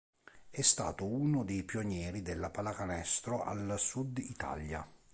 È stato uno dei pionieri della pallacanestro al Sud Italia.